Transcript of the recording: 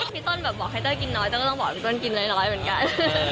พี่ต้นแบบบอกให้เต้ยกินน้อยเต้ก็ต้องบอกพี่ต้นกินน้อยเหมือนกัน